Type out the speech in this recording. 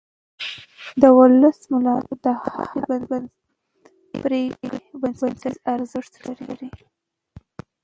د ولس ملاتړ د هرې پرېکړې بنسټیز ارزښت لري